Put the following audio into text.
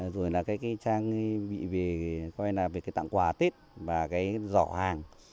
rồi là cái trang bị về coi là về cái tặng quà tết và cái giỏ hàng